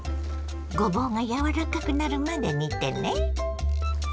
ごぼうが柔らかくなるまで煮てね。